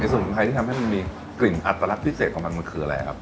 ในสมมุติใครที่ทำให้มันมีกลิ่นอัตรรัสพิเศษของมันมันคืออะไรครับ